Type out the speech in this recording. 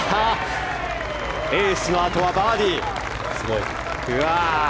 エースのあとはバーディー！